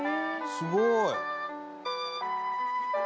「すごい！」